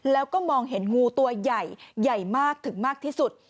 แล้วก็มองเห็นงูตัวใหญ่ใหญ่มากถึงมากที่สุด